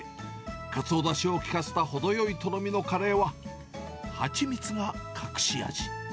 かつおだしを効かせた程よいとろみのカレーは、蜂蜜が隠し味。